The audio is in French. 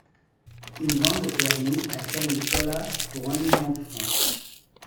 Il vend le permis à Camille Collas pour un million de francs.